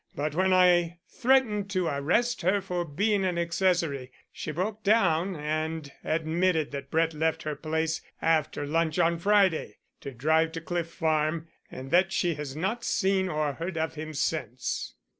But, when I threatened to arrest her for being an accessory, she broke down and admitted that Brett left her place after lunch on Friday to drive to Cliff Farm, and that she has not seen or heard of him since."